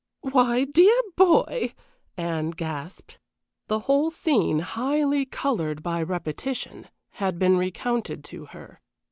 "Why dear boy!" Anne gasped. The whole scene, highly colored by repetition, had been recounted to her.